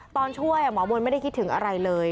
ตอนช่วยหมอบนไม่ได้คิดถึงอะไรเลย